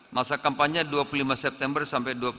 masa kampanye dua puluh lima september sampai